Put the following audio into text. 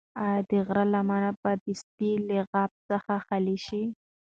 ایا د غره لمنه به د سپي له غپا څخه خالي شي؟